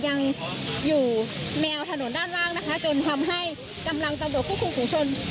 ยังอยู่แนวถนนด้านล่างนะคะจนทำให้กำลังตำรวจควบคุมฝุงชน